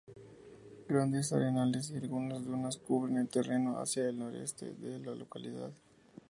Grandes arenales y algunas dunas cubren el terreno hacia el noroeste de la localidad.